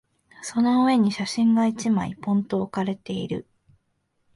その上に写真が一枚、ぽんと置かれている。